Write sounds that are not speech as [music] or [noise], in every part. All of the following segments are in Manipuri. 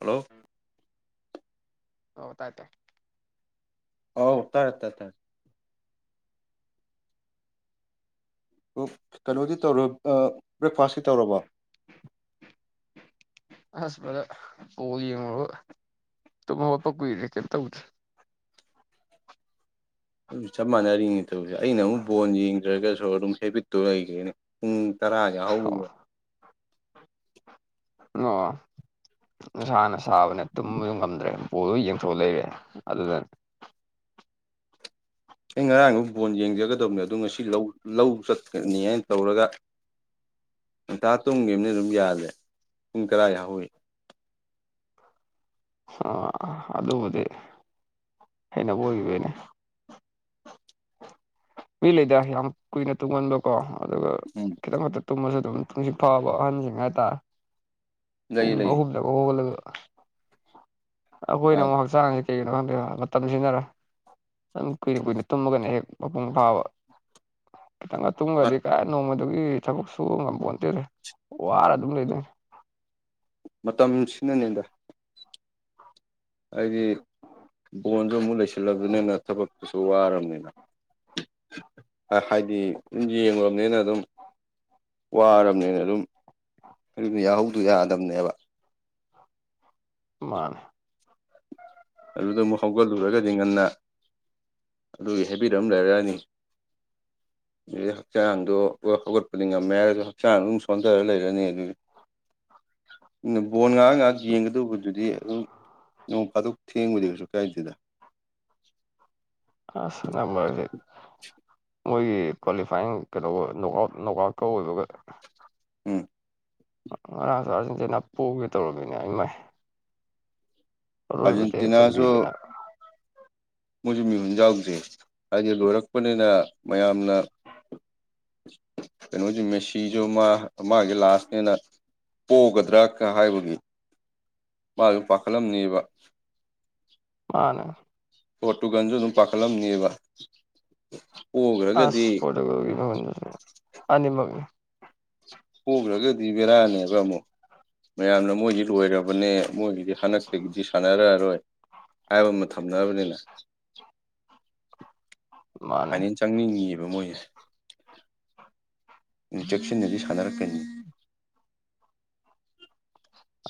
ꯍꯜꯂꯣ ꯍꯥꯎ ꯇꯥꯏ ꯇꯥꯏ ꯍꯥꯏ ꯇꯔꯦ ꯇꯔ ꯇꯔꯦ ꯑꯣ ꯀꯩꯅꯣꯗꯤ ꯇꯧꯔ ꯕ꯭ꯔꯦꯛꯐꯥꯁꯀꯤ ꯇꯧꯔꯕꯣ ꯑꯁꯚꯥꯗꯔ ꯕ‌ꯣꯜ ꯌꯦꯡꯉꯨꯔꯒ ꯇꯨꯝꯣꯠꯄ ꯀꯨꯏꯔ꯭ꯔꯦ ꯀꯩꯝꯇ ꯇꯧꯗ꯭ꯔꯦ ꯆꯞ ꯃꯥꯟꯅꯔꯤꯅꯤ ꯇꯧꯁꯦ ꯑꯩꯅ ꯑꯃꯨꯛ ꯕꯣꯟ ꯌꯦꯡꯗ꯭ꯔꯒꯁꯨ ꯑꯗꯨꯝ ꯍꯦꯕꯤꯠꯇꯨ ꯂꯩꯒꯦꯅꯦ ꯑꯣ ꯑꯣ ꯏꯁꯁꯥꯅ ꯁꯥꯕꯅꯦ ꯇꯨꯝꯕꯁꯨ ꯉꯝꯗ꯭ꯔꯦ ꯕ‌ꯣꯜꯗ‌ꯣ ꯌꯦꯡꯊꯣꯛꯑ ꯂꯩꯔꯦ ꯑꯗꯨꯗꯅꯦ ꯑꯩ ꯉꯔꯥꯡꯗꯨꯛ ꯕꯣꯟ ꯌꯦꯡꯖꯒꯗꯕꯅꯦ ꯑꯗꯣ ꯉꯁꯤ ꯂꯧ ꯆꯠꯀꯅꯤ ꯍꯥꯏꯅ ꯇꯧꯔꯒ ꯉꯇꯥ ꯇꯨꯝꯈꯤꯕ ꯑꯃꯅ ꯑꯗꯨꯝ ꯌꯥꯜꯂꯦ ꯄꯨꯡ ꯇꯔꯥ ꯌꯥ ꯍꯧꯏ ꯑ ꯑꯗꯨꯕꯨꯗꯤ ꯍꯥꯏꯅꯕ ꯑꯣꯏꯈꯤꯕꯩꯅꯦ ꯃꯤ ꯂꯩꯗ ꯌꯥꯝ ꯀꯨꯏꯅ ꯇꯨꯡꯍꯟꯕꯀꯣ ꯑꯗꯨꯒ ꯎꯝ ꯈꯤꯇꯪ ꯇꯨꯝꯕꯁꯨ ꯑꯗꯨꯝ ꯇꯨꯡꯁꯤ ꯐꯥꯎꯕ ꯑꯍꯟꯁꯤꯡ ꯍꯥꯏꯇꯥꯔꯦ ꯂꯩ ꯄꯨꯡ ꯂꯩ ꯑꯍꯨꯝꯗꯒ ꯍꯧꯒꯠꯂꯒ ꯑꯩꯈꯣꯏꯅ ꯑꯃꯨꯛ ꯍꯛꯆꯥꯡ ꯀꯩꯒꯤꯅ‌ꯣ ꯉꯪꯗ‌ꯦꯕ ꯃꯇꯝ ꯃꯁꯤꯅꯔ ꯑꯗꯨ ꯀꯨꯏꯅ ꯀꯨꯏꯅ ꯇꯨꯝꯃꯒꯅ ꯍꯦꯛ ꯃꯄꯨꯡ ꯐꯥꯕ ꯈꯤꯇꯪꯒ ꯇꯨꯝꯈ꯭ꯔꯗꯤ ꯀ ꯅꯣꯡꯃ ꯑꯗꯨꯒꯤ ꯊꯕꯛꯁꯨꯨ ꯉꯝꯄꯟꯇꯦꯔꯦ ꯋꯥꯔ ꯑꯗꯨꯝ ꯂꯩꯗꯣꯏꯅꯤ ꯃꯇꯝ ꯁꯤꯅꯅꯦꯗ ꯍꯥꯏꯗꯤ ꯕꯣꯟ ꯑꯗꯨ ꯑꯃꯨꯛ ꯂꯩꯁꯤꯜꯂꯕꯅꯤꯅ ꯊꯕꯛꯇꯨꯁꯨ ꯋꯥꯔꯕꯅꯤꯅ ꯍꯥꯏꯗꯤ ꯌꯦꯡꯂꯕꯅꯤꯅ ꯑꯗꯨꯝ ꯋꯥꯔꯕꯅꯤꯅ ꯑꯗꯨꯝ ꯑꯗꯨ ꯌꯥꯍꯧꯗꯣ ꯌꯥꯗꯕꯅꯦꯕ ꯃꯥꯅꯦ ꯑꯗꯨꯗ ꯑꯃꯨꯛ ꯍꯧꯒꯠꯂꯨꯔꯒꯗꯤ ꯉꯟꯅ ꯑꯗꯨꯒꯤ ꯍꯥꯏꯕꯤꯔ ꯑꯃ ꯂꯩꯔꯛꯑꯅꯤ ꯑꯗꯨꯩ ꯍꯛꯆꯥꯡꯗꯣ ꯍꯧꯒꯠꯄꯗꯤ ꯉꯝꯃꯦ ꯍꯥꯏꯔꯁꯨ ꯍꯛꯆꯥꯡ ꯑꯗꯨꯝ ꯁꯣꯟꯊꯔ ꯂꯩꯔꯅꯤ ꯑꯗꯨꯗꯤ ꯕꯣꯟ ꯉꯥꯏꯍꯥꯛ ꯉꯥꯏꯍꯥꯛ ꯌꯦꯡꯒꯗꯧꯕꯗꯨꯗꯤ ꯑꯗꯨꯝ ꯅꯣꯡ ꯐꯥꯗꯣꯛ ꯁꯨ ꯀꯥꯏꯁꯤꯗ ꯑ ꯁꯅꯝꯕꯖ ꯃꯣꯏꯒꯤ ꯀ꯭ꯋꯥꯂꯤꯐꯥꯏꯌꯤꯡ ꯀꯩꯗꯧꯕ ꯅꯣꯛꯑꯥꯎꯠ ꯅꯣꯛ ꯑꯥꯎꯠꯀ ꯑꯣꯏꯕꯒ ꯎꯝ ꯉꯔꯥꯡꯁꯨ ꯑꯥꯔꯖꯦꯟꯇꯤꯅꯥ ꯄꯨꯒꯦ ꯇꯧꯔꯕꯝꯃꯤꯅꯦ ꯑꯩ ꯃꯥꯏ ꯑꯥꯔꯖꯦꯟꯇꯤꯅꯥꯁꯨ ꯑꯣꯏꯕꯗꯤꯁꯟꯕꯤꯗꯅ ꯃꯣꯏꯁꯨ ꯃꯤꯍꯨꯟ ꯌꯥꯎꯗꯦ ꯍꯥꯏꯗꯤ ꯂꯣꯏꯔꯛꯄꯅꯤꯅ ꯃꯌꯥꯝꯅ ꯀꯩꯅꯣꯁꯨ ꯃꯦꯁꯤꯁꯨ ꯃꯥ ꯃꯥꯒꯤ ꯂꯥꯁꯅꯦꯅ ꯄꯣꯛꯒꯗ꯭ꯔꯥ ꯀ ꯍꯥꯏꯕꯒꯤ ꯃꯥꯁꯨ ꯄꯥꯈꯠꯂꯝꯅꯦꯕ ꯃꯥꯅ ꯄꯣꯔꯠꯇꯨꯒꯥꯟꯁꯨ ꯑꯗꯨꯝ ꯄꯥꯈꯠꯂꯝꯅꯦꯕ ꯄꯣꯈ꯭ꯔꯒꯗꯤ ꯑꯁ ꯄꯔꯣꯇꯨꯒꯣꯜ [unintelligible] ꯑꯅꯤꯃꯛꯅꯤ ꯍꯨꯒ꯭ꯔꯒꯗꯤ ꯕꯦꯔꯥꯅꯦꯕ ꯑꯃꯨꯛ ꯃꯌꯥꯝꯅ ꯃꯣꯏꯗꯤ ꯂꯣꯏꯔꯕꯅꯦ ꯃꯣꯏꯒꯤꯗꯤ ꯍꯟꯗꯛꯇꯒꯤꯗꯤ ꯁꯥꯟꯅꯔꯔꯣꯏ ꯍꯥꯏꯕ ꯑꯃ ꯊꯝꯅꯔꯕꯅꯤꯅ ꯃꯥꯅꯦ ꯍꯥꯏꯅꯤ ꯇꯪꯅꯤꯡꯉꯤꯑꯦꯕ ꯃꯣꯏꯖꯦ ꯏꯟ ꯖꯦꯛꯁꯤꯟꯅꯗꯤ ꯁꯥꯟꯅꯔꯛꯀꯅꯤ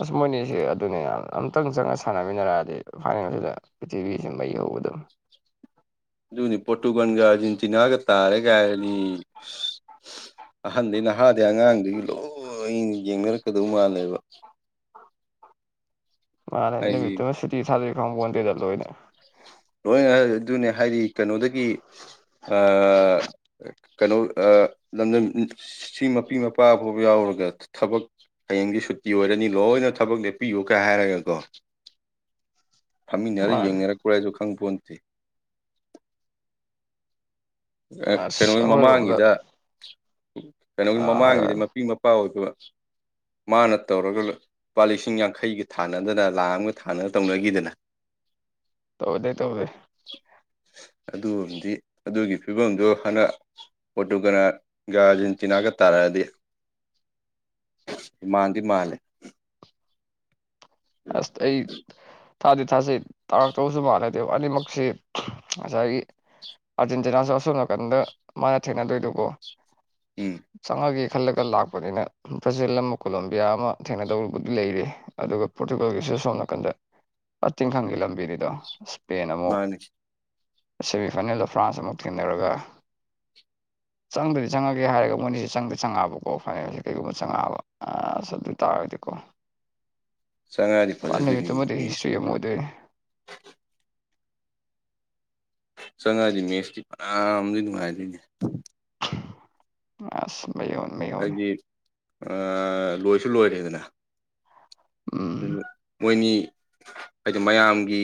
ꯑꯁ ꯃꯣꯏꯅꯤꯑꯁꯦ ꯑꯗꯨꯅꯤ ꯌꯥꯝ ꯑꯝꯇꯪ ꯆꯪꯉ ꯁꯥꯟꯅꯃꯤꯟꯅꯔꯛꯑꯗꯤ ꯐꯥꯏꯅꯦꯜꯁꯤꯗ ꯄ꯭ꯔꯤꯊꯤꯕꯤꯁꯤ ꯃꯩ ꯍꯧꯒꯗꯝ ꯑꯗꯨꯅꯤ ꯄꯔꯣꯇꯨꯒꯥꯟꯒ ꯑꯔꯖꯦꯟꯇꯤꯅꯥꯒ ꯇꯥꯔꯦꯒ ꯍꯥꯏꯔꯗꯤ ꯑꯁ ꯑꯍꯟꯗꯩ ꯅꯍꯥꯗꯩ ꯑꯉꯥꯡꯗꯒꯤ ꯂꯣꯏꯅ ꯌꯦꯡꯅꯔꯛꯀꯗꯧ ꯃꯥꯜꯂꯦꯕ [inaudible] ꯃꯥꯅ ꯍꯥꯏꯗꯤ ꯅꯨꯃꯤꯠꯇꯨ ꯁꯨꯇꯤ ꯊꯥꯗꯣꯏꯔꯤ ꯈꯪ ꯄꯣꯟꯗꯦꯗ ꯂꯣꯏꯅ ꯂꯣꯏꯅ ꯑꯗꯨꯅꯦ ꯍꯥꯏꯗꯤ ꯀꯩꯅꯣꯗꯒꯤ ꯑꯥ ꯀꯩꯅꯣ ꯑ ꯂꯝꯗꯝ ꯑꯝ ꯁꯤ ꯃꯄꯤ ꯃꯄꯥ ꯐꯥꯎꯕ ꯌꯥꯎꯔꯒ ꯊꯕꯛ ꯍꯌꯦꯡꯗꯤ ꯁꯨꯇꯤ ꯑꯣꯏꯔꯅꯤ ꯂꯣꯏꯅ ꯊꯕꯛ ꯂꯦꯞꯄꯤꯌꯨ ꯀ ꯍꯥꯏꯔꯒꯀꯣ ꯐꯝꯃꯤꯟꯅꯔ ꯃꯥꯅꯦ ꯌꯦꯡꯅꯔꯛꯄ꯭ꯔꯖꯨ ꯈꯪꯄꯣꯟꯇꯦ ꯑꯥ ꯑꯁ ꯀꯩꯅꯣꯅꯤ ꯑꯩꯈꯣꯏꯔꯣꯝꯗ ꯃꯃꯥꯡꯒꯤꯗ ꯀꯩꯅꯣꯒꯤ ꯑꯥ ꯍꯥꯏꯔꯣ ꯃꯃꯥꯡꯒꯤꯗ ꯍꯥꯏꯔꯣ ꯃꯄꯤ ꯃ [unintelligible] ꯃꯥꯅ ꯇꯧꯔꯒ ꯂꯨꯄꯥ ꯂꯤꯁꯤꯡ ꯌꯥꯡꯈꯩꯒ ꯊꯥꯅꯗꯅ ꯂꯥꯛ ꯑꯃꯒ ꯊꯥꯅ ꯇꯧꯅꯒꯤꯗꯅ ꯇꯧꯗꯦ ꯇꯧꯗꯦ ꯑꯗꯨꯑꯝꯗꯤ ꯑꯗꯨꯒꯤ ꯐꯤꯕꯝꯗꯨ ꯍꯟꯗꯛ ꯄꯔꯣꯇꯨꯒꯅꯒ ꯑ꯭ꯔꯖꯦꯟꯇꯤꯅꯥꯒ ꯇꯥꯔꯛꯑꯗꯤ ꯃꯥꯟꯗꯤ ꯃꯥꯜꯂꯦ ꯑꯁ ꯑꯩ ꯊꯥꯗꯤ ꯊꯥꯖꯩ ꯇꯥꯔꯛꯇꯧꯕꯁꯨ ꯃꯥꯟꯂꯦꯕ ꯑꯗꯩ ꯑꯅꯤꯃꯛꯁꯦ ꯉꯁꯥꯏꯒꯤ ꯑ꯭ꯔꯖꯦꯟꯇꯤꯅꯥꯁꯨ ꯑꯁꯣꯝꯅꯥꯀꯟꯗ ꯃꯥ ꯊꯦꯡꯅꯗꯣꯏꯗꯨꯕꯣ ꯎꯝ ꯆꯪꯉꯥꯒꯦ ꯈꯜꯂꯒ ꯂꯥꯛꯄꯅꯤꯅ ꯕ꯭ꯔꯖꯤꯜꯑꯝꯃ ꯀꯣꯂꯝꯕꯤꯌꯥ ꯑꯃ ꯊꯦꯡꯅꯗꯧꯔꯨꯕꯗꯤ ꯂꯩꯔꯤ ꯑꯗꯨꯒ ꯄꯣꯔꯇꯨꯒꯜꯒꯤꯁꯨ ꯑꯁꯣꯝ ꯅꯥꯀꯟꯗ ꯑꯥ ꯇꯤꯡꯈꯪꯒꯤ ꯂꯝꯕꯤꯅꯤꯗꯣ ꯏꯁꯄꯦꯟ ꯑꯃꯨꯛ ꯃꯥꯅꯤ ꯁꯦꯃꯤꯐꯥꯏꯅꯦꯜꯗ ꯐ꯭ꯔꯥꯟꯁ ꯑꯃꯨꯛ ꯊꯦꯡꯅꯔꯒ [inaudible] ꯆꯪꯗꯗꯤ ꯆꯪꯉꯒꯦ ꯍꯥꯏꯔꯒ ꯃꯣꯏꯅꯤꯖꯦ ꯆꯪꯗꯤ ꯆꯪꯉꯛꯑꯕꯀꯣ ꯐꯥꯏꯅꯦꯜꯁꯦ ꯀꯩꯒꯨꯝꯕ ꯆꯪꯉꯑꯕ ꯑꯁ ꯑꯗꯨꯏ ꯇꯥꯔꯒꯗꯤꯀꯣ ꯆꯪꯉꯛꯑꯗꯤ ꯄꯨꯔꯥ ꯐꯖꯗꯣꯏꯅꯤ ꯅꯨꯃꯤꯠꯇꯨꯃꯗꯤ ꯃꯦꯠꯁꯇꯤ ꯍꯤꯁꯇ꯭ꯔꯤ ꯑꯃ ꯑꯣꯏꯗꯣꯏꯅꯤ ꯆꯪꯉꯥꯗꯤ ꯃꯦꯁꯇꯤ ꯐꯅꯥꯝꯗꯤ ꯅꯨꯡꯉꯥꯏꯗꯣꯏꯅꯦ ꯑꯁ ꯃꯩ ꯍꯧꯑꯧ ꯍꯥꯏꯗꯤ ꯑꯥ ꯂꯣꯏꯁꯨ ꯂꯣꯏꯔꯦꯗꯅ ꯎꯝ ꯃꯣꯏꯅꯤ ꯍꯥꯏꯗꯤ ꯃꯌꯥꯝꯒꯤ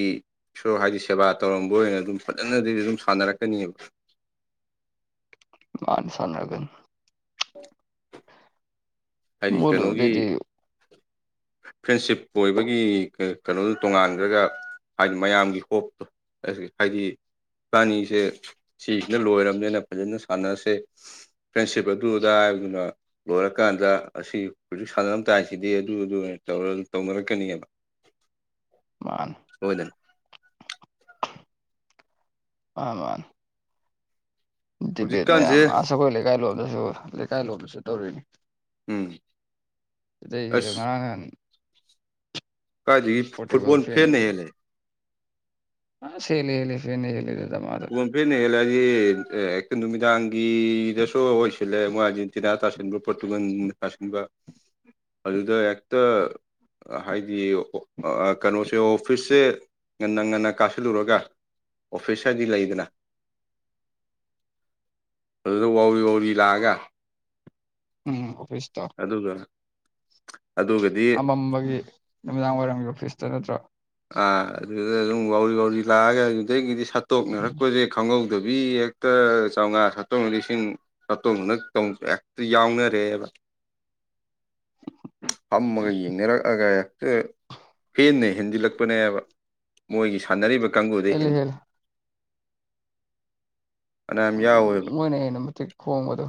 ꯏꯁꯣꯔ ꯍꯥꯏꯗꯤ ꯁꯦꯕꯥ ꯇꯧꯔꯝꯕ ꯑꯣꯏꯅ ꯑꯗꯨꯝ ꯐꯖꯅꯗꯗꯤ ꯑꯗꯨꯝ ꯁꯥꯟꯅꯔꯛꯀꯅꯤꯕ ꯃꯥꯅꯤ ꯁꯥꯟꯅꯔꯒꯟ [unintelligible] ꯍꯥꯏꯗꯤ ꯃꯣꯏ ꯀꯩꯅꯣꯒꯤ ꯂꯣꯏꯕꯗꯩꯗꯤ ꯐ꯭ꯔꯦꯟꯁꯤꯞ ꯑꯣꯏꯕꯒꯤ ꯀꯩ ꯀꯩꯅꯣꯗꯨ ꯇꯣꯉꯥꯟꯒ꯭ꯔꯒ ꯍꯥꯏꯗꯤ ꯃꯌꯥꯝꯒꯤ ꯍꯣꯞꯇꯣ [unintelligible] ꯍꯥꯏꯗꯤ ꯏꯕꯥꯅꯤꯁꯦ ꯁꯤꯁꯤꯅ ꯂꯣꯏꯔꯝꯅꯤꯅ ꯐꯖꯅ ꯁꯥꯟꯅꯁꯦ ꯐ꯭ꯔꯦꯟꯁꯤꯞ ꯑꯗꯨ ꯑꯗ ꯍꯥꯏꯕꯗꯨꯅ ꯂꯣꯏꯔꯀꯥꯟꯗ ꯑꯁꯤ ꯍꯧꯖꯤꯛ ꯁꯥꯟꯅꯔꯝ ꯇꯥꯏꯁꯤꯗꯤ ꯑꯗꯨ ꯑꯗꯨ ꯇꯧꯅ ꯇꯧꯅꯔꯛꯀꯅꯤꯕ ꯃꯥꯟꯅꯦ ꯁꯣꯏꯗꯅ ꯃꯥꯃꯥꯥꯟ ꯗꯤꯕꯦꯠ ꯍꯧꯖꯤꯛꯀꯥꯟꯁꯦ ꯃꯌꯥꯝ ꯑꯁ ꯑꯩꯈꯣꯏ ꯂꯩꯀꯥꯏ ꯂꯣꯝꯗꯁꯨ ꯂꯩꯀꯥꯏ ꯂꯣꯝꯗꯁꯨ ꯇꯧꯔꯤꯅꯤ ꯎꯝ ꯑꯗꯨꯏꯅꯤꯗ ꯑꯁ ꯉꯥꯔꯥꯡ ꯉꯍꯥꯟ ꯀꯥꯏꯗꯒꯤ ꯐꯨ ꯄꯣꯔꯇꯦꯕꯜ ꯐꯨꯠꯕꯣꯜ ꯐꯦꯟ ꯐꯦꯟꯅ ꯍꯦꯜꯂꯦ ꯑꯁ ꯍꯦꯜꯂꯦ ꯍꯦꯜꯂꯦ ꯐꯦꯟꯅ ꯍꯦꯜꯂꯦꯗ ꯗꯃꯥꯗ ꯐꯨꯠꯕꯣꯜ ꯐꯦꯟꯅ ꯍꯦꯂꯛꯑꯗꯤ ꯑꯦꯛ ꯅꯨꯃꯤꯗꯥꯡꯒꯤꯗꯁꯨ ꯑꯣꯏꯁꯤꯜꯂꯦ ꯃꯣꯏ ꯑꯥꯔꯖꯦꯟꯇꯤꯅꯥ ꯇꯥꯁꯤꯟꯕ ꯄꯣꯔꯇꯨꯒꯥꯟ ꯇꯥꯁꯤꯟꯕ ꯑꯗꯨꯗ ꯍ‌ꯦꯛꯇ ꯍꯥꯏꯗꯤ ꯑꯣ ꯑꯥ ꯀꯩꯅꯣꯁꯦ ꯑꯣꯐꯤꯁꯁꯦ ꯉꯟꯅ ꯉꯟꯅ ꯀꯥꯁꯤꯜꯂꯨꯔꯒ ꯑꯣꯐꯤꯁ ꯗꯒꯤ ꯂꯩꯗꯅ ꯑꯗꯨꯗꯥ ꯋꯥꯎꯔꯤ ꯋꯥꯎꯔꯤ ꯂꯥꯛꯑꯒ ꯎꯝ ꯑꯣꯐꯤꯁꯇ ꯑꯗꯨꯒ ꯑꯗꯨꯒ ꯑꯃꯝꯕꯒꯤ ꯅꯨꯃꯤꯗꯥꯡ ꯋꯥꯏꯔꯝꯒꯤ ꯑꯣꯐꯤꯁꯇ ꯅꯠꯇ꯭ꯔꯣ ꯑꯥ ꯑꯗꯨꯗ ꯑꯗꯨꯝ ꯋꯥꯎꯔꯤ ꯋꯥꯎꯔꯤ ꯂꯥꯛꯑꯒ ꯑꯗꯨꯗꯒꯤꯗꯤ ꯎꯝ ꯁꯠꯇꯣꯛꯅꯔꯛꯄꯖ‌ꯦ ꯈꯪꯍꯧꯗꯕꯤ ꯍ‌ꯦꯛ ꯇ ꯆꯧꯉꯥ ꯁꯠꯇꯣꯛ ꯂꯤꯁꯤꯡ ꯁꯠꯇꯣꯡꯅꯥ ꯇꯧ ꯍꯦꯛꯇ ꯌꯥꯎꯅꯔꯦꯑꯦꯕꯥ [inaudible] ꯐꯝꯃꯒ ꯌꯦꯡꯅꯔꯛꯑꯒ ꯍ‌ꯦꯛ ꯍꯦꯟꯅ ꯍꯦꯟꯖꯤꯜꯂꯛ ꯄꯅꯦꯕꯥ ꯃꯣꯏꯒꯤ ꯁꯥꯟꯅꯔꯤꯕ ꯀꯥꯡꯕꯨꯗ ꯍꯦꯜꯂꯤ ꯍꯦꯟꯖꯤ ꯍꯦꯜꯂꯤ ꯐꯅꯌꯥꯝ ꯎꯝ ꯌꯥꯎꯋꯦꯕ ꯃꯣꯏꯅ ꯍ‌ꯦꯟꯅ ꯃꯇꯤꯛ ꯈꯣꯡꯕꯗꯣ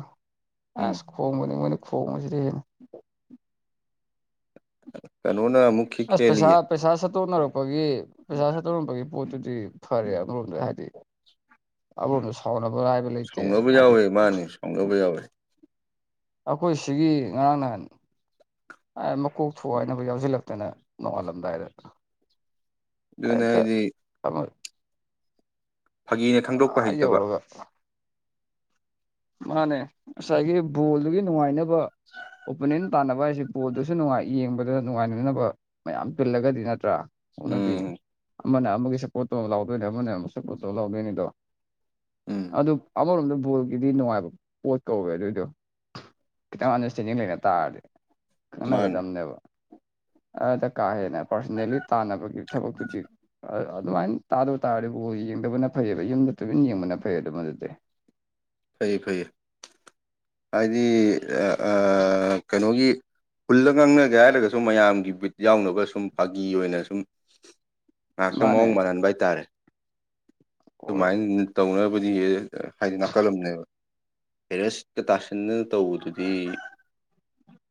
ꯎꯝ ꯑꯁ ꯈꯣꯡꯕꯅꯦ ꯃꯣꯏꯅ ꯈꯣꯡꯕꯁꯤꯗꯤ ꯍꯦꯟꯅ ꯀꯩꯅꯣꯅꯥ ꯃꯨꯛ ꯈꯤꯛ ꯑꯁ ꯄꯩꯁꯥ ꯍ‌ꯦꯜꯂꯤꯌ‌ꯦ ꯄꯩꯁꯥ ꯁꯠꯇꯣꯛꯅꯔꯛꯄꯒꯤ ꯄꯩꯁꯥ ꯁꯠꯇꯣꯛꯅꯔꯛꯄꯒꯤ ꯄꯣꯠꯇꯨꯗꯤ ꯐꯔꯦ ꯑꯃꯔꯣꯝꯗ ꯍꯥꯏꯗꯤ ꯑꯝꯔ‌ꯣꯝꯗꯥ ꯁꯥꯎꯅꯕꯩ ꯍꯥꯏꯗꯤ ꯁꯥꯎꯅꯕ ꯌꯥꯎꯋꯦ ꯃꯥꯅꯤ ꯁꯥꯎꯅꯕ ꯌꯥꯎꯋꯦ ꯑꯈꯣꯏ ꯁꯤꯒꯤ ꯉꯔꯥꯡ ꯅꯥꯍꯟ ꯑꯥ ꯃꯀꯣꯛ ꯊꯨꯒꯥꯏꯅꯕ ꯌꯥꯎꯁꯤꯜꯂꯛꯇꯅ ꯅꯣꯡꯉꯥꯜꯂꯝꯗꯥꯏꯗ ꯗꯨꯅꯦ ꯍꯦꯛꯇ ꯍꯥꯏꯗꯤ [unintelligible] ꯐꯥꯒꯤꯅ ꯈꯪꯗꯣꯛꯄ ꯑꯥ ꯍꯩꯇꯕ ꯌꯧꯔꯒꯥ ꯃꯥꯅꯦ ꯉꯁꯥꯏꯒꯤ ꯕꯣꯜꯗꯨꯒꯤ ꯅꯨꯡꯉꯥꯏꯅꯕ ꯑꯣꯄꯅꯤꯟ ꯇꯥꯟꯅꯕ ꯍꯥꯏꯁꯦ ꯕ‌ꯣꯜꯗꯨꯁꯨ ꯅꯨꯡꯉꯥꯏ ꯌꯦꯡꯕꯗ ꯅꯨꯡꯉꯥꯏꯅꯅꯕ ꯃꯌꯥꯝ ꯇꯤꯜꯂꯒꯗꯤ ꯅꯠꯇ꯭ꯔꯥ ꯑꯣꯛꯅꯕꯤꯅꯤ ꯎꯝ ꯑꯃꯅ ꯑꯃꯒꯤ ꯁꯞꯄꯣꯔꯠ ꯇꯧ ꯂꯥꯎꯗꯣꯏꯅꯦ ꯑꯃꯅ ꯃꯨꯛ ꯁꯞꯄꯣꯔꯠ ꯇꯧ ꯂꯥꯎꯗꯣꯏꯅꯤꯗꯣ ꯎꯝ ꯑꯗꯨ ꯑꯃꯔ‌ꯣꯝꯗ ꯒꯤꯗꯤ ꯅꯨꯡꯉꯥꯏꯕ ꯄꯣꯠ ꯀꯧꯋꯦ ꯑꯗꯨꯏꯗꯣ ꯈꯤꯇꯪ ꯑꯟꯗꯔꯁꯇꯦꯟꯗꯤꯡ ꯂꯩꯅ ꯇꯥꯔꯗꯤ ꯃꯥꯅꯦ ꯈꯪꯅꯒꯗꯝꯕꯅꯦꯕ ꯑꯗ ꯀꯥ ꯍꯦꯟꯅ ꯄꯥꯔꯁꯣꯅꯦꯜꯂꯤ ꯇꯥꯟꯅꯕꯒꯤ ꯊꯕꯛꯇꯨꯗꯤ ꯑ ꯑꯗꯨꯃꯥꯏꯅ ꯇꯥꯗꯕ ꯇꯥꯔꯗꯤ ꯕ‌ꯣꯜ ꯌꯦꯡꯗꯕꯅ ꯐꯩꯕꯥ ꯌꯨꯝꯗ ꯇꯨꯃꯤꯟ ꯌꯦꯡꯕꯅ ꯐꯩꯌꯦ ꯑꯗꯨꯝ ꯑꯗꯨꯗꯤ ꯐꯩꯌꯦ ꯐꯩꯌꯦ ꯍꯥꯏꯗꯤ ꯑꯥ ꯀꯅꯣꯒꯤ ꯍꯨꯜꯂ ꯉꯥꯡꯅꯒꯦ ꯍꯥꯏꯔꯒꯁꯨ ꯃꯌꯥꯝꯒꯤ ꯕꯤꯠ ꯌꯥꯎꯅꯕ ꯁꯨꯝ ꯐꯥꯒꯤ ꯑꯣꯏꯅ ꯁꯨꯝ ꯉꯥꯛꯇꯪ ꯃꯥꯅꯦ ꯃꯑꯣꯡ ꯃꯥꯜꯍꯟꯕ ꯍꯥꯏꯇꯥꯔꯦ ꯍꯣꯏ ꯑꯗꯨꯃꯥꯏꯅ [unintelligible] ꯇꯧꯅꯕꯗꯤ ꯍ‌ꯦ ꯍꯥꯏꯗꯅꯥ ꯀꯂꯝꯅꯦꯕ ꯄꯦꯔꯦꯁꯤꯠꯀꯥ ꯇꯥꯁꯤꯟꯗꯅ ꯇꯧꯕꯗꯨꯗꯤ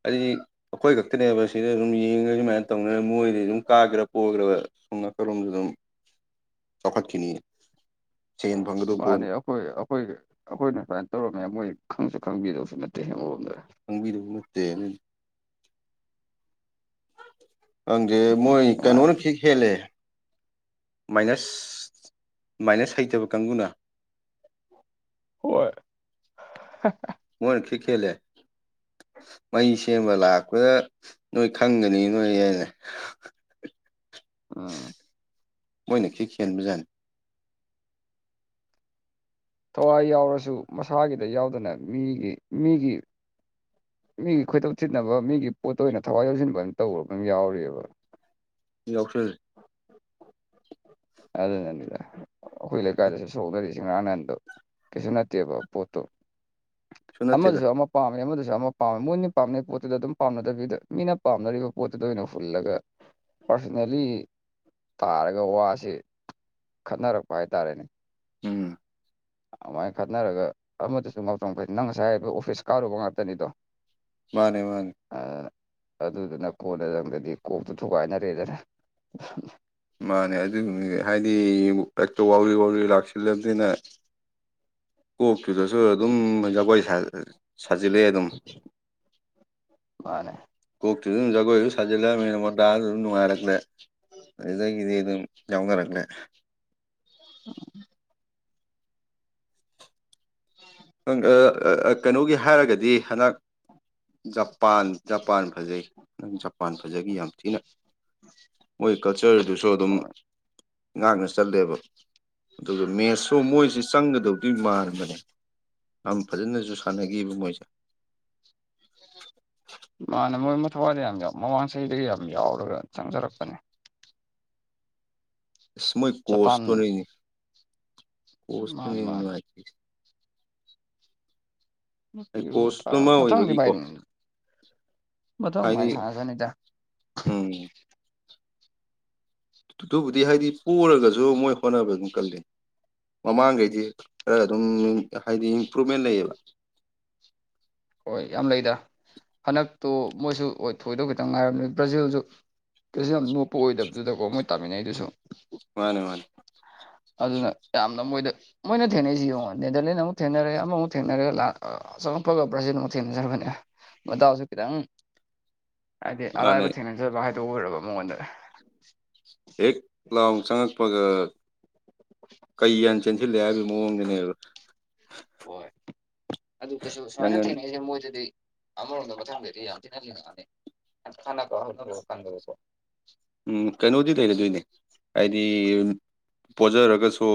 ꯑꯩ ꯑꯩꯈꯣꯏ ꯈꯛꯇꯅꯦꯕ ꯁꯤꯗ ꯑꯗꯨꯝ ꯌꯦꯡꯉ ꯁꯨꯃꯥꯏꯅ ꯇꯧꯅ ꯃꯣꯏꯗꯤ ꯑꯗꯨꯝ ꯀꯥꯒ꯭ꯔꯥ ꯄꯣꯈ꯭ꯔꯥꯕ ꯁꯨꯝ ꯅꯥꯀꯜꯂꯣꯝꯗ ꯗꯨꯝ ꯆꯥꯎꯈꯠꯈꯤꯅꯤ ꯁꯦꯟ ꯐꯪꯒꯗꯨ ꯄ‌ꯣꯟ ꯍꯣꯏ ꯑꯩꯈꯣꯏ ꯑꯩꯈꯣꯏꯅ ꯁꯨꯃꯥꯏꯅ ꯇꯧꯔꯝꯃꯦ ꯃꯣꯏ ꯈꯪꯁꯨ ꯈꯪꯕꯤꯗꯕꯁꯨ ꯅꯠꯇꯦ ꯑꯃꯔꯣꯝꯗ ꯈꯪꯕꯤꯗꯧꯕ ꯅꯠꯇꯦ [unintelligible] ꯈꯪꯗꯦ ꯃꯣꯏ ꯀꯩꯅꯣꯅ ꯅꯨꯡꯉꯥꯏꯕ ꯐꯤ ꯍꯦꯜꯂꯦ ꯃꯥꯏꯅꯁ ꯃꯥꯏꯅꯁ ꯍꯩꯇꯕ ꯀꯥꯡꯕꯨꯅ ꯍꯣꯏ ꯃꯣꯏꯅ ꯈꯤꯛ ꯍꯦꯜꯂꯦ ꯃꯩ ꯁꯦꯝꯕ ꯂꯥꯛꯄꯗ ꯅꯣꯏ ꯈꯪꯒꯅꯤ ꯅꯣꯏ [inaudible] ꯎꯝ ꯃꯣꯏꯅ ꯈꯤꯛ ꯍꯦꯟꯕꯖꯥꯟꯅꯤ ꯊꯋꯥꯏ ꯌꯥꯎꯔꯁꯨ ꯃꯁꯥꯒꯤꯗ ꯌꯥꯎꯗꯅ ꯃꯤꯒꯤ ꯃꯤꯒꯤ ꯃꯤꯒꯤ ꯈꯣꯏꯗꯧ ꯊꯤꯠꯅꯕ ꯃꯤꯒꯤ ꯄꯣꯠꯇ ꯑꯣꯏꯅ ꯊꯋꯥꯏ ꯌꯥꯎꯁꯤꯟꯕ ꯑꯣꯏꯅ ꯇꯧꯔꯛꯄ ꯑꯃ ꯌꯥꯎꯔꯤꯑꯦꯕ ꯌꯥꯎꯁꯟꯂꯦ ꯑꯗꯨꯅꯅꯤꯗ ꯑꯩꯈꯣꯏ ꯂꯩꯀꯥꯏꯗꯁꯨ ꯁꯣꯛꯅꯔꯤꯁꯦ ꯉꯔꯥꯡ ꯅꯍꯥꯟꯗꯣ ꯀꯩꯁꯨ ꯅꯠꯇꯦꯕ ꯄꯣꯠꯇꯣ ꯁꯨ ꯅꯠꯇꯦꯗ ꯑꯃꯗꯁꯨ ꯑꯃ ꯄꯥꯝꯃꯦ ꯑꯃꯗꯁꯨ ꯑꯃ ꯄꯥꯝꯃꯦ ꯃꯣꯏꯅ ꯄꯥꯝꯅꯩ ꯄꯣꯠꯇꯨꯗ ꯑꯗꯨꯝ ꯄꯥꯝꯅꯗꯕꯤꯗ ꯃꯤꯅ ꯄꯥꯝꯅꯔꯤꯕ ꯄꯣꯠꯇꯨꯗ ꯑꯣꯏꯅ ꯍꯨꯜꯂꯒ ꯄꯥꯔꯁꯣꯅꯦꯜꯂꯤ ꯇꯥꯔꯒ ꯋꯥꯁꯦ ꯈꯟꯅꯔꯛꯄ ꯍꯥꯏꯇꯥꯔꯦꯅꯦ ꯎꯝ ꯑꯃꯥꯏꯅ ꯈꯠꯅꯔꯒ ꯑꯃꯗꯨꯁꯨ ꯉꯥꯎꯇ꯭ꯔꯡ ꯐꯩꯇꯪ ꯅꯪ ꯉꯁꯥꯏ ꯍꯥꯏ ꯑꯣꯐꯤꯁ ꯀꯥꯔꯨꯕ ꯉꯥꯛꯇꯅꯤꯗꯣ ꯃꯥꯅꯦ ꯃꯥꯅꯦ [unintelligible] ꯑꯗꯨꯗꯨꯅ ꯀꯣꯟꯅꯊꯪꯘꯗꯤ ꯀꯣꯛꯇꯨ ꯊꯨꯒꯥꯏꯅꯔꯦꯗꯅ ꯃꯥꯅꯦ [unintelligible] ꯍꯥꯏꯗꯤ ꯍꯦꯛꯇ ꯋꯥꯎꯔꯤ ꯋꯥꯎꯔꯤ ꯂꯥꯛꯁꯤꯜꯂꯕꯅꯤꯅ ꯀꯣꯛꯇꯨꯗꯁꯨ ꯑꯗꯨꯝ ꯖꯒꯣꯏ ꯁꯥꯖꯤꯜ ꯁꯥꯖꯤꯜꯂꯛꯑꯦ ꯑꯗꯨꯝ ꯃꯥꯅꯦ ꯀꯣꯛꯇꯨꯗ ꯑꯗꯨꯝ ꯖꯒꯣꯏꯁꯨ ꯁꯥꯖꯤꯜꯂꯛꯑꯕ ꯃꯤꯅ ꯃꯣꯗꯥꯗꯨ ꯑꯗꯨꯝ ꯅꯨꯡꯉꯥꯏꯔꯛꯂꯦ ꯑꯗꯨꯗꯒꯤꯗꯤ ꯑꯗꯨꯝ ꯌꯥꯎꯅꯔꯛꯂꯦ [unintelligible] [unintelligible] [unintelligible] ꯀꯩꯅꯣꯒꯤ ꯍꯥꯏꯔꯒꯗꯤ ꯍꯟꯗꯛ ꯖꯄꯥꯟ ꯖꯄꯥꯟ ꯐꯖꯩ ꯑꯪ ꯖꯄꯥꯟ ꯐꯖꯈꯤ ꯌꯥꯝ ꯊꯤꯅ ꯃꯣꯏ ꯀꯜꯆꯔꯗꯨꯁꯨ ꯑꯗꯨꯝ ꯉꯥꯛꯅ ꯆꯠꯂꯦꯕ ꯑꯗꯨꯒ ꯃꯦꯠꯁꯁꯨ ꯃꯣꯏꯁꯤ ꯆꯪꯒꯗꯧꯗꯤ ꯃꯥꯟꯕꯅꯦ ꯌꯥꯝ ꯐꯖꯅꯁꯨ ꯁꯥꯟꯅꯈꯤꯕ ꯃꯣꯏꯁꯦ ꯃꯥꯅꯦ ꯃꯣꯏ ꯃꯊꯋꯥꯗꯤ ꯌꯥꯝ ꯌꯥꯎ ꯃꯃꯥꯡ ꯆꯍꯤꯗꯒꯤ ꯌꯥꯝ ꯌꯥꯎꯔꯒ ꯆꯪꯖꯔꯛꯄꯅꯦ ꯃꯣꯏ ꯀꯣꯁ ꯖꯄꯥꯟ ꯇꯨꯅꯤꯅꯤ ꯃꯥꯅꯤ ꯀꯣꯁꯇꯨꯅꯤꯅꯤ ꯃꯥꯅꯤ ꯅꯨꯉꯥꯏꯇ꯭ꯔꯤꯁꯦ [unintelligible] ꯀꯣꯁ ꯇꯨꯃ ꯃꯊꯪꯗꯤ ꯑꯣꯏꯕꯒꯤꯀꯣ ꯚꯥꯏ ꯃꯊꯪ ꯃꯥꯏꯅ ꯍꯥꯏꯗꯤ ꯁꯥꯟꯅꯁꯅꯤꯗ ꯎꯝ ꯑꯗꯨꯕꯨꯗꯤ ꯍꯥꯏꯗꯤ ꯄꯣꯔꯒꯁꯨ ꯃꯣꯏ ꯍꯣꯠꯅꯕ ꯑꯗꯨꯝ ꯀꯜꯂꯤ ꯃꯃꯥꯡꯈꯩꯗꯤ ꯈꯔ ꯑꯗꯨꯝ ꯍꯥꯏꯗꯤ ꯏꯝꯄ꯭ꯔꯨꯚꯃꯦꯟ ꯂꯩꯌꯦꯕ ꯍꯣꯏ ꯌꯥꯝ ꯂꯩꯗ ꯍꯟꯗꯛꯇꯣ ꯃꯣꯏꯁꯨ ꯍꯣꯏ ꯊꯣꯏꯗꯧ ꯈꯤꯇꯪ ꯉꯥꯏꯔꯕꯅꯤ ꯕ꯭ꯔꯥꯖꯤꯜꯁꯨ ꯀꯩꯁꯨ ꯌꯥꯝ ꯅꯣꯛꯄ ꯑꯣꯏꯗꯕꯗꯨꯗꯀꯣ ꯃꯣꯏ ꯇꯥꯃꯤꯟꯅꯩꯗꯨꯁꯨ ꯃꯥꯅꯦ ꯃꯥꯅꯦ ꯑꯗꯨꯅ ꯌꯥꯝꯅ ꯃꯣꯏꯗ ꯃꯣꯏꯅ ꯊꯦꯡꯅꯩꯁꯤ ꯌꯦꯡꯉꯣ ꯅꯦꯗꯔꯂꯦꯟ ꯑꯃꯨꯛ ꯊꯦꯡꯅꯔꯦ ꯑꯃ ꯑꯃꯨꯛ ꯊꯦꯡꯅꯔꯦ [unintelligible] ꯕ꯭ꯔꯥꯖꯤꯟ ꯑꯃꯨꯛ ꯊꯦꯡꯅꯖꯔꯕꯅꯦ ꯃꯗꯥꯎꯁꯨ ꯈꯤꯇꯪ ꯍꯥꯏꯗꯤ ꯃꯥꯅꯦ ꯑꯔꯥꯏꯕ ꯊꯦꯡꯅꯖ ꯐꯖꯕ ꯍꯥꯏꯗꯣ ꯑꯣꯏꯔꯕ ꯃꯉꯣꯟꯗ ꯍꯦꯛ ꯂꯥꯎ ꯆꯪꯉꯛꯄꯒ ꯀꯩ ꯍꯥꯟꯅ ꯆꯦꯟꯁꯤꯜꯂꯦ ꯍꯥꯏꯕꯒꯤ ꯃꯑꯣꯡꯗꯅꯦꯕ ꯍꯣꯏ ꯑꯗꯨ ꯀꯩꯁꯨ ꯁꯨꯃꯥꯏꯅ ꯅꯪꯒꯟ ꯊꯦꯡꯅꯩꯁꯦ ꯃꯣꯏꯗꯗꯤ ꯑꯃꯔꯣꯝꯗ ꯃꯊꯥꯡꯗꯗꯤ ꯌꯥꯝ ꯊꯤꯅ [unintelligible] ꯎꯝ ꯀꯩꯅꯣꯗꯤ ꯂꯩꯔꯗꯣꯏꯅꯦ ꯍꯥꯏꯗꯤ ꯄꯣꯖꯔꯒꯁꯨ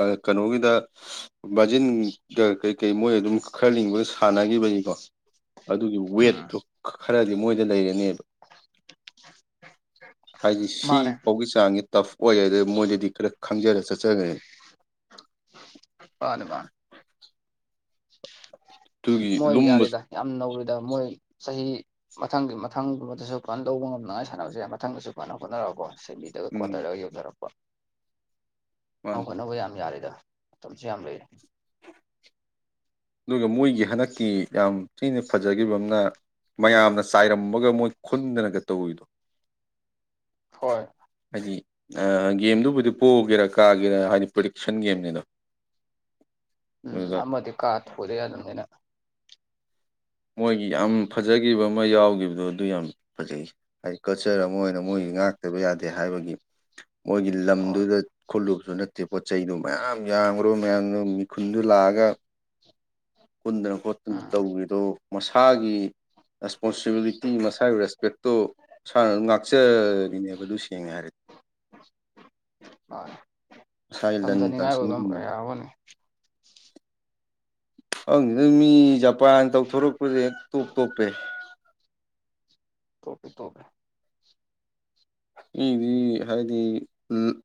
ꯑ ꯀꯩꯅꯣꯒꯤꯗ ꯕꯥꯖꯤꯟꯒ ꯀꯩꯀꯩ ꯃꯣꯏ ꯑꯗꯨꯝ ꯈꯔ ꯂꯤꯡꯕꯒ ꯁꯥꯟꯅꯈꯤꯕꯒꯤꯀꯣ ꯑꯗꯨꯒꯤ ꯎꯝ ꯋꯦꯠꯇꯨ ꯈꯔꯗꯤ ꯃꯣꯏꯗ ꯂꯩꯔꯅꯦꯕ [unintelligible] ꯍꯥꯏꯗꯤ ꯃꯥꯅꯦ ꯁꯤꯐꯥꯎꯒꯤ ꯆꯥꯡꯁꯦ ꯇꯐ ꯑꯣꯏ ꯍꯥꯏꯗꯣ ꯃꯣꯏꯗꯗꯤ ꯈꯔ ꯈꯪꯖꯔ ꯆꯠꯆꯒ꯭ꯔꯅꯤ [unintelligible] ꯃꯥꯅꯤ ꯃꯥꯅꯤ [unintelligible] ꯃꯣꯏ ꯂꯨꯝꯕ ꯌꯥꯔꯦꯗ ꯌꯥꯝ ꯅꯧꯔꯤꯗ ꯃꯣꯏ ꯆꯍꯤ ꯃꯊꯪꯒꯤ ꯃꯊꯪꯒꯨꯝꯕꯗꯁꯨ ꯐꯖꯟ ꯂꯧꯕ ꯉꯝꯅꯉꯥꯏ ꯁꯥꯅꯕꯁꯨ ꯌꯥꯏ ꯃꯊꯪꯗꯁꯨ ꯐꯖꯟ ꯍꯣꯠꯅꯔꯒꯀꯣ ꯁꯦꯃꯤꯗꯒ ꯎꯝ ꯀ꯭ꯋꯥꯇꯔꯗ ꯌꯧꯖꯔꯛꯄ ꯑꯧ ꯃꯥꯅꯤ ꯍꯣꯠꯅꯕ ꯌꯥꯝ ꯌꯥꯔꯤꯗ ꯃꯇꯝꯁꯨ ꯌꯥꯝ ꯂꯩꯔꯤ ꯑꯗꯨꯒ ꯃꯣꯏꯒꯤ ꯍꯟꯗꯛꯀꯤ ꯌꯥꯝ ꯊꯤꯅ ꯐꯖꯒꯤꯕ ꯑꯃꯅ ꯃꯌꯥꯝꯅ ꯆꯥꯏꯔꯝꯕꯒ ꯃꯣꯏ ꯈꯨꯟꯗꯅꯒ ꯇꯧꯋꯤꯗꯣ ꯍꯣꯏ ꯍꯥꯏꯗꯤ ꯑꯥ ꯒꯦꯝꯗꯨꯕꯨꯗꯤ ꯄꯣꯛꯒꯦꯔꯥ ꯀꯥꯒꯦꯔꯥ ꯍꯥꯏꯗꯤ ꯄ꯭ꯔꯦꯗꯤꯛꯁꯟ ꯒꯦꯝꯅꯤꯗꯣ [inaudible] ꯎꯝ ꯑꯗꯨꯗ ꯑꯃꯗꯤ ꯀꯥ ꯊꯣꯏꯗ ꯌꯥꯗꯝꯅꯤꯅ ꯃꯣꯏꯒꯤ ꯑꯝ ꯐꯖꯒꯤꯕ ꯑꯃ ꯌꯥꯎꯒꯤꯕꯗꯣ ꯑꯗꯨ ꯌꯥꯝ ꯐꯖꯩ ꯍꯥꯏꯗꯤ ꯀꯜꯆꯔ ꯑꯃ ꯑꯣꯏꯅ ꯃꯣꯏꯒꯤ ꯉꯥꯛꯇꯕ ꯌꯥꯗꯦ ꯍꯥꯏꯕꯒꯤ ꯃꯣꯏꯒꯤ ꯍꯣꯏ ꯂꯝꯗꯨꯗ ꯈꯨꯜꯂꯨꯕꯁꯨ ꯅꯠꯇꯦ ꯄꯣꯠ ꯆꯩꯗꯣ ꯃꯌꯥꯝ ꯌꯥꯝꯒꯔꯥꯕ ꯃꯌꯥꯝꯗꯣ ꯃꯤꯈꯨꯟꯗꯨ ꯂꯥꯛꯑꯒꯥ ꯈꯨꯟꯗꯅ ꯈꯣꯠꯇꯅ ꯎꯝ ꯇꯧꯒꯔꯤꯗꯣ ꯃꯁꯥꯒꯤ ꯔꯦꯁꯄꯣꯟꯁꯤꯕꯤꯂꯤꯇꯤ ꯃꯁꯥꯒꯤ ꯔꯦꯁꯄꯦꯛꯇꯣ ꯃꯁꯥꯅ ꯑꯗꯨꯝ ꯉꯥꯛꯆꯔꯤꯅꯦꯕ ꯑꯗꯨ ꯁꯦꯡꯅ ꯍꯥꯏꯔꯗꯤ ꯍꯣꯏ ꯃꯁꯥꯒꯤ ꯂꯟ ꯇꯝꯖꯅꯤꯡꯉꯥꯏ ꯑꯣꯏꯕ ꯇꯥꯟꯁꯤꯟꯒꯨꯝꯕꯅꯤ ꯃꯌꯥꯝ ꯑꯃꯅꯤ ꯈꯪꯗꯦꯗ ꯃꯤ ꯖꯄꯥꯟꯅ ꯇꯧꯊꯣꯔꯛꯄꯁꯦ ꯇꯣꯞ ꯇꯣꯞꯄꯦ ꯇꯣꯞꯄꯦ ꯇꯣꯞꯄꯦ ꯏꯗꯤ ꯍꯥꯏꯗꯤ ꯎꯝ